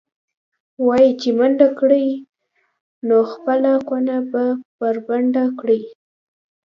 وایي چې منډه کړې، نو خپله کونه به بربنډه کړې.